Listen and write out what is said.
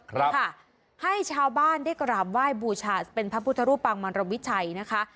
ครับค่ะให้ชาวบ้านได้กราบไหว้บูชาเป็นพระพุทธรูปปางมันรวิชัยนะคะ